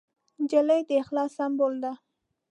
نجلۍ د اخلاص سمبول ده.